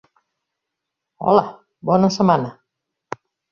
Hola, bona setmana.